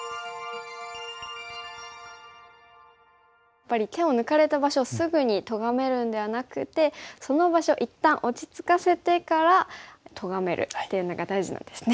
やっぱり手を抜かれた場所をすぐにとがめるんではなくてその場所一旦落ち着かせてからとがめるっていうのが大事なんですね。